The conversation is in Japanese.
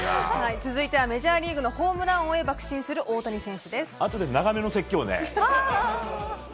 続いてメジャーリーグのホームラン王へばく進するあとで長めの説教ね。